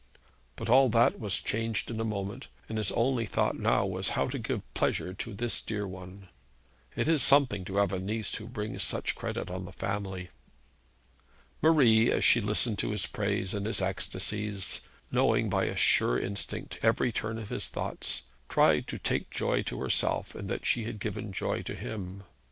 But all that was changed in a moment, and his only thought now was how to give pleasure to this dear one. It is something to have a niece who brings such credit on the family! Marie as she listened to his praise and his ecstasies, knowing by a sure instinct every turn of his thoughts, tried to take joy to herself in that she had given joy to him.